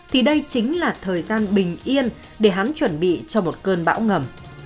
thì đây chính là thời gian bình yên để hắn chuẩn bị cho một cơn bão ngầm